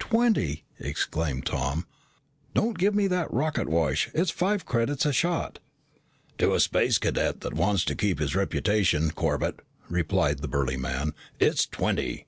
"Twenty!" exclaimed Tom. "Don't give me that rocket wash! It's five credits a shot." "To a Space Cadet that wants to keep his reputation, Corbett," replied the burly man, "it's twenty."